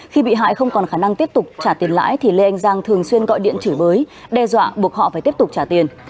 khi bị hại không còn khả năng tiếp tục trả tiền lãi thì lê anh giang thường xuyên gọi điện chửi bới đe dọa buộc họ phải tiếp tục trả tiền